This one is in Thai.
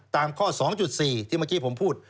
ตามข้อ๒๔ที่เมื่อกี้ผมพูด